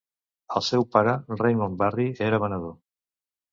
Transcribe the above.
El seu pare, Raymond Barry, era venedor.